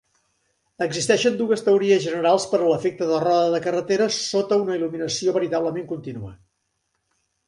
Existeixen dues teories generals per a l'efecte de roda de carreta sota una il·luminació veritablement contínua.